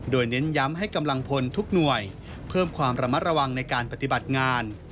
โดยเน้นย้ำให้กำลังพลทุกหน่วยเพิ่มความระมัดระวังในการปฏิบัติงาน